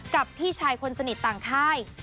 กับพี่ชายคนสนิทต่างค่าย